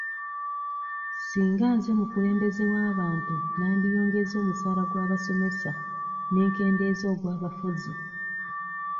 Singa nze mukulembeze w'abantu nandiyongeza omusaala gw'abasomesa ne nkendeeza ogw'abafuzi.